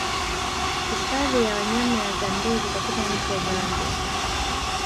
Hifadhi ya wanyama ya Zambezi katika nchi ya Zambia